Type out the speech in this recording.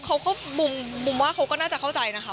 เขาก็บุมว่าเขาก็น่าจะเข้าใจนะคะ